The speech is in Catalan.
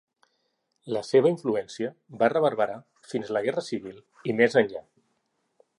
La seva influència va reverberar fins a la Guerra Civil i més enllà.